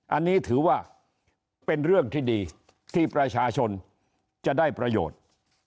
อันนี้ถือว่าเป็นเรื่องที่ดีที่ประชาชนจะได้ประโยชน์